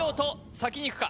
先にいくか？